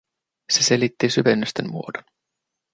Se selitti syvennysten muodon.